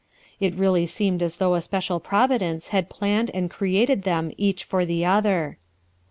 It really seemed as though a special Providence had planned and created them each for the other.